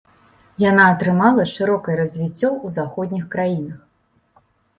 Яна атрымала шырокае развіццё ў заходніх краінах.